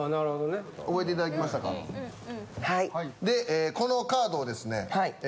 でこのカードをですね